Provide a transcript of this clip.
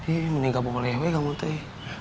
ini mending gak boleh hewe gak mau teh